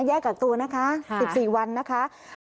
แยกกักตัวนะคะ๑๔วันนะคะ